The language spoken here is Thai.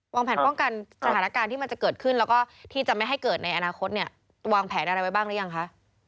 วางแผนป้องกันสถานการณ์ที่มันจะเกิดขึ้นแล้วก็ที่จะไม่ให้เกิดในอนาคตเนี่ยวางแผนอะไรไว้บ้างหรือยังคะ